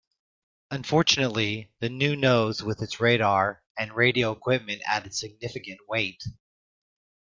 Unfortunately, the new nose with its radar and radio equipment added significant weight.